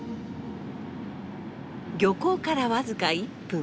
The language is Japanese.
漁港から僅か１分。